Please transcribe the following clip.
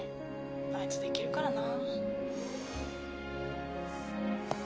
あいつできるからな。